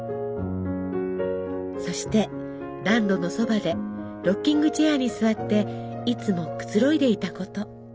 そして暖炉のそばでロッキングチェアに座っていつもくつろいでいたこと。